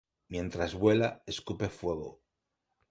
Mientras vuela, escupe fuego.